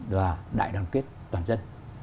và đại đoàn kết toàn dân